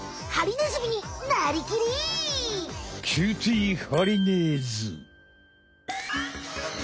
キューティーハリネーズ！